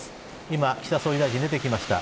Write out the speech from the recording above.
今、岸田総理大臣出てきました。